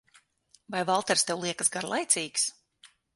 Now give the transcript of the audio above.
Vai Valters tev liekas garlaicīgs?